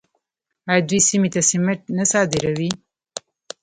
آیا دوی سیمې ته سمنټ نه صادروي؟